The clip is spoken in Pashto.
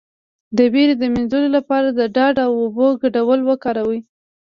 د ویرې د مینځلو لپاره د ډاډ او اوبو ګډول وکاروئ